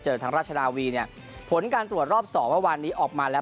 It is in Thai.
เจอทางราชนาวีเนี่ยผลการตรวจรอบสองวันนี้ออกมาแล้ว